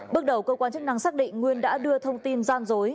bước đầu cơ quan chức năng xác định nguyên đã đưa thông tin gian dối